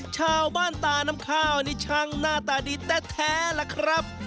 ชาวบ้านตาน้ำข้าวนี่ช่างหน้าตาดีแท้ล่ะครับ